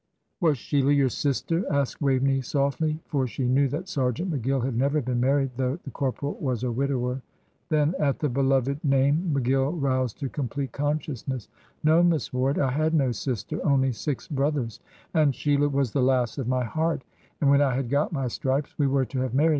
"Was Sheila your sister?" asked Waveney, softly. For she knew that Sergeant McGill had never been married, though the corporal was a widower. Then, at the beloved name, McGill roused to complete consciousness. "No, Miss Ward. I had no sister, only six brothers, and Sheila was the lass of my heart; and when I had got my stripes we were to have married.